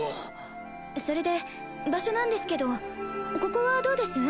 それで場所なんですけどここはどうです？